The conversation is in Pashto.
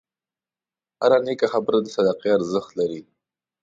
هره نیکه خبره د صدقې ارزښت لري.